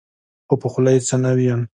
خو په خوله يې څه نه ويل.